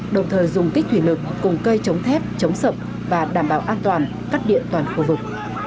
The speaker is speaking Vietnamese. đồng thời dùng kích thủy lực cùng cây chống thép chống sậm và đảm bảo an toàn cắt điện toàn khu vực